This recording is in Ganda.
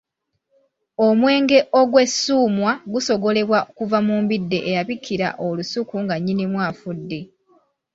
Omwenge ogwessuumwa gusogolebwa kuva mu mbidde eyabikira olusuku nga nnyinimu afudde.